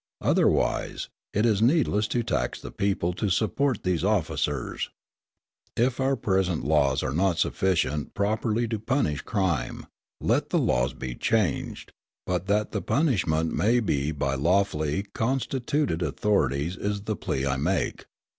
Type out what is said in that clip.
Otherwise, it is needless to tax the people to support these officers. If our present laws are not sufficient properly to punish crime, let the laws be changed; but that the punishment may be by lawfully constituted authorities is the plea I make.